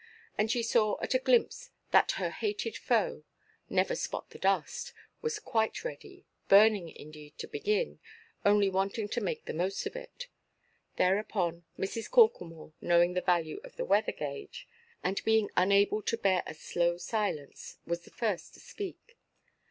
And she saw at a glimpse that her hated foe, "Never–spot–the–dust," was quite ready, burning indeed to begin, only wanting to make the most of it. Thereupon Mrs. Corklemore, knowing the value of the weather–gage, and being unable to bear a slow silence, was the first to speak.